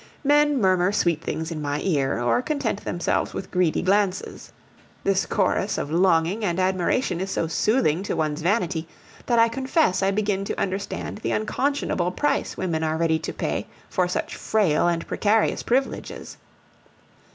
Men murmur sweet things in my ear, or content themselves with greedy glances. This chorus of longing and admiration is so soothing to one's vanity, that I confess I begin to understand the unconscionable price women are ready to pay for such frail and precarious privileges.